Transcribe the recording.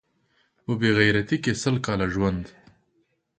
په بې غیرتۍ کې سل کاله ژوند